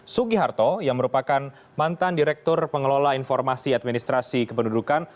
sugi harto yang merupakan mantan direktur pengelola informasi administrasi kependudukan